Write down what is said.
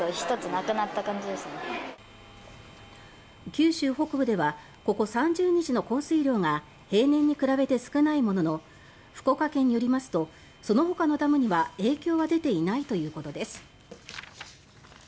九州北部ではここ３０日の降水量が平年に比べて少ないものの福岡県によりますとそのほかのダムには、影響は出ていないということです。